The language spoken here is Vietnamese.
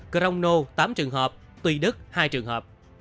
crono tám trường hợp tùy đức hai trường hợp